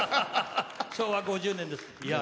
昭和５０年ですから。